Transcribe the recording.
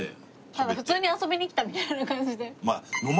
ただ普通に遊びに来たみたいな感じで。